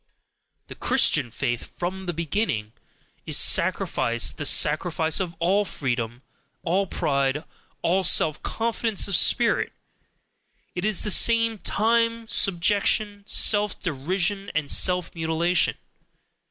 The Christian faith from the beginning, is sacrifice the sacrifice of all freedom, all pride, all self confidence of spirit, it is at the same time subjection, self derision, and self mutilation.